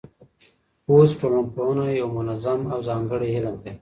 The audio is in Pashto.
اوس ټولنپوهنه یو منظم او ځانګړی علم دی.